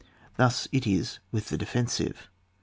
Thus it is with the defensive.